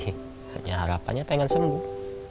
hanya harapannya pengen sembuh